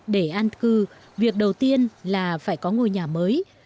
để an cư việc đầu tiên là phải có ngôi nhà mới